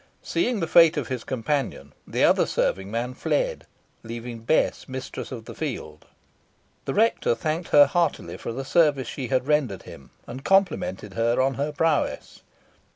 Seeing the fate of his companion, the other serving man fled, leaving Bess mistress of the field. The rector thanked her heartily for the service she had rendered him, and complimented her on her prowess.